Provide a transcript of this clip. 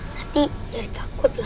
nanti jadi takut lah